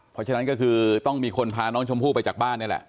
เพราะฉะนั้นก็คือต้องมีคนพาน้องชมพู่ไปจากบ้านนี่แหละ